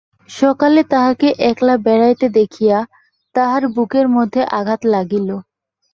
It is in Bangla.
সকালে তাহাকে একলা বেড়াইতে দেখিয়া তাঁহার বুকের মধ্যে আঘাত লাগিল।